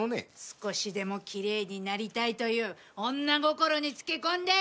少しでもきれいになりたいという女心につけ込んで！